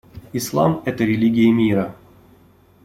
Ислам — это религия мира.